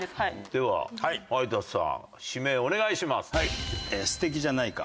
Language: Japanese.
では有田さん指名お願いします。